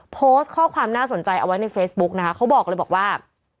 โพสต์ข้อความน่าสนใจเอาไว้ในเฟซบุ๊กนะคะเขาบอกเลยบอกว่า